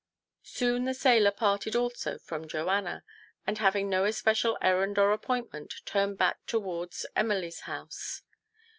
Soon the sailor parted also from Joanna, and, having no especial errand or appointment, turned back towards Emily's house.